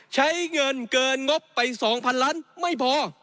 ใช้เงินเกินงบไป๒๐๐๐ล้านไม่พอ